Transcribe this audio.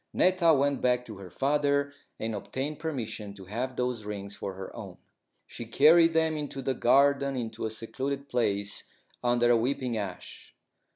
Netta went back to her father and obtained permission to have those rings for her own. She carried them out into the garden into a secluded place under a weeping ash.